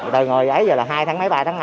đời người ấy giờ là hai tháng mấy ba tháng hai